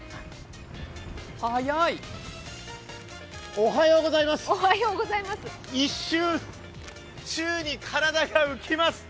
おはようございます、一瞬、宙に体が浮きます。